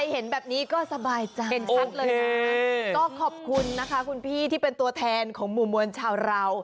เห็นไหมล่ะโอเคก็ขอบคุณนะคะคุณพี่ที่เป็นตัวแทนของหมู่มวลชาวเรา